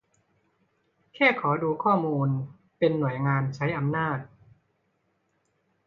แค่ขอดูข้อมูล เป็นหน่วยงานใช้อำนาจ